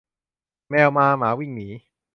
แมวมาหมาวิ่งหนี